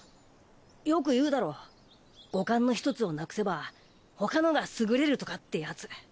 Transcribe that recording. よく言うだろう五感の一つをなくせば他のが優れるとかってやつ。